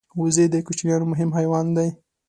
وزې د کوچیانو مهم حیوان دی